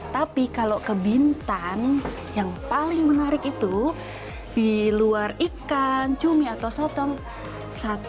tapi kalau ke bintan yang paling menarik itu di luar ikan cumi atau sotong satu